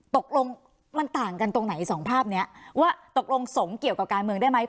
ตกลงมันต่างกันตรงไหนสองภาพเนี้ยว่าตกลงสงฆ์เกี่ยวกับการเมืองได้ไหม